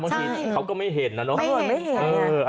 บางทีเขาก็ไม่เห็นนะเนอะไม่เห็น